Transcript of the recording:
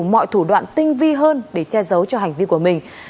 mọi thủ đoạn tinh vi hơn để che giấu cho hành vi của mình